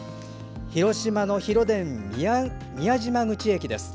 広島の広電宮島口駅です。